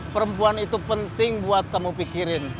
perempuan itu penting buat kamu pikirin